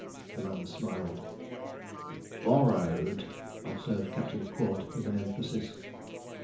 The man smiled. 'Borrowed,' observed Captain Quod, with an emphasis.